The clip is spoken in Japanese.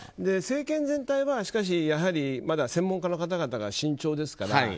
政権全体は、やはりまだ専門家の方々が慎重ですから。